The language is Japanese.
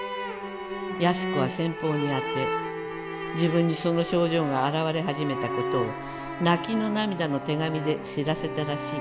矢須子は先方に宛て自分にその症状が現れはじめたことを泣きの涙の手紙で知らせたらしい。